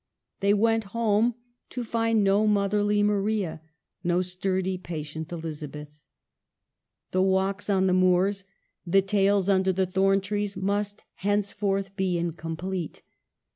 They went home to find no motherly Maria, no sturdy, patient Elizabeth. The walks on the moors, the tales under the thorn trees, must henceforth be incomplete.